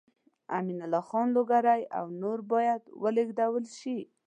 امین الله خان لوګری او نور باید ولېږدول شي.